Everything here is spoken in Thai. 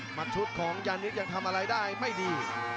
ชุดของยานิดยังทำอะไรได้ไม่ดี